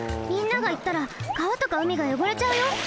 みんなが行ったらかわとかうみがよごれちゃうよ！